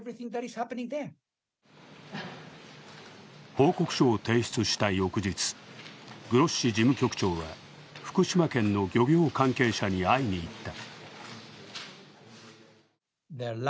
報告書を提出した翌日、グロッシ事務局長は福島県の漁業関係者に会いに行った。